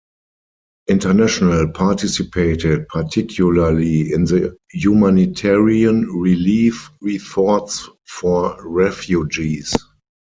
International participated particularly in the humanitarian relief efforts for refugees.